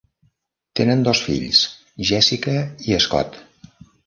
Tenen dos fills, Jessica i Scott.